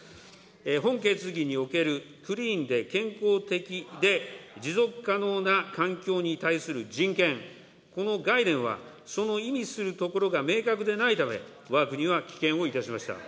本決議におけるクリーンで健康的で持続可能な環境に対する人権、この概念はその意味するところが明確でないため、わが国は棄権をいたしました。